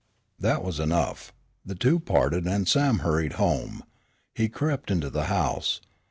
That was enough. The two parted and Sam hurried home. He crept into the house.